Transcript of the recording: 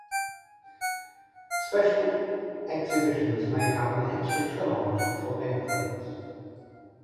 Special exhibitions may have an extra charge for entrance.